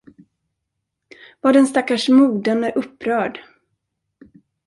Vad den stackars modern är upprörd!